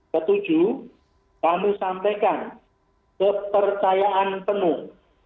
ketujuh kami sampaikan kepercayaan penuh